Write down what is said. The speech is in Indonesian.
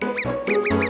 gigi permisi dulu ya mas